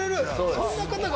そんな方が。